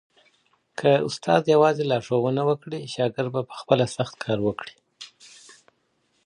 که استاد یوازي لارښوونه وکړي شاګرد به پخپله سخت کار وکړي.